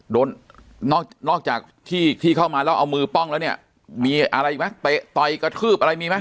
นอกจากที่ที่เข้ามาแล้วเอามือป้องแล้วเนี่ยมีอะไรอีกไหมเตะต่อยกระทืบอะไรมีไหม